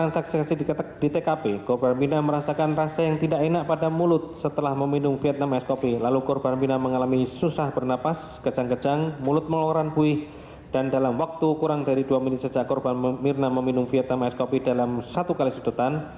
sejak korban mirna meminum vietamai skopi dalam satu kali sudutan